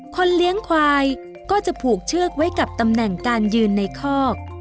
คนเลี้ยงควายก็จะผูกเชือกไว้กับตำแหน่งการยืนในคอก